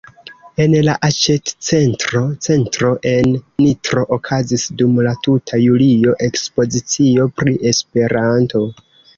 En la aĉetcentro "Centro" en Nitro okazis dum la tuta julio ekspozicio pri Esperanto.